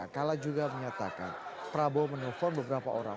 kala juga menyatakan prabowo menelpon beberapa orang